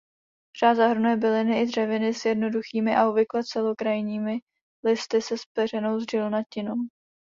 Řád zahrnuje byliny i dřeviny s jednoduchými a obvykle celokrajnými listy se zpeřenou žilnatinou.